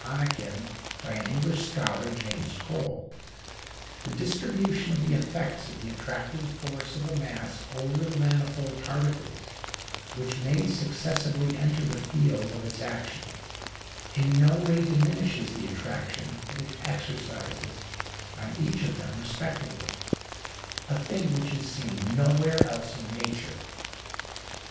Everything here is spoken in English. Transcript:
Hannequin, by an English scholar, James Croll) the distribution of the effects of the attracting force of a mass over the manifold particles which may successively enter the field of its action in no way diminishes the attraction it exercises on each of them respectively, a thing which is seen nowhere else in nature.